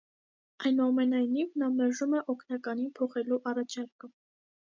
Այնուամենայնիվ, նա մերժում է օգնականին փոխելու առաջարկը։